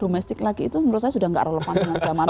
domestik lagi itu menurut saya sudah tidak relevan dengan zaman